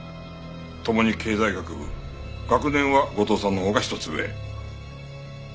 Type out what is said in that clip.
共に経済学部学年は後藤さんのほうが一つ上。